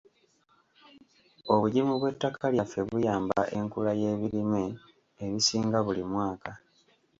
Obugimu bw'ettaka lyaffe buyamba enkula y'ebirime ebisinga buli mwaka.